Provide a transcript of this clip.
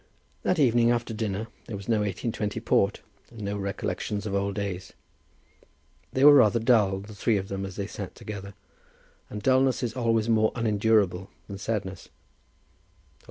That evening after dinner, there was no 1820 port, and no recollections of old days. They were rather dull, the three of them, as they sat together, and dulness is always more unendurable than sadness.